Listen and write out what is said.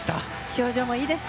表情もいいです。